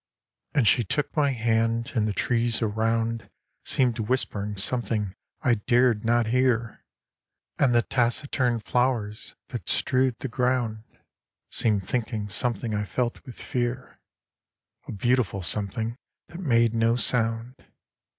'" And she took my hand: and the trees around Seemed whispering something I dared not hear; And the taciturn flowers, that strewed the ground, Seemed thinking something I felt with fear A beautiful something that made no sound.